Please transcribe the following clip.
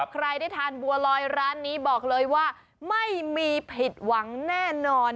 ใครได้ทานบัวลอยร้านนี้บอกเลยว่าไม่มีผิดหวังแน่นอน